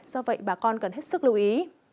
do vậy bà con cần hết sức lưu ý